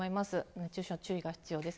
熱中症に注意が必要です。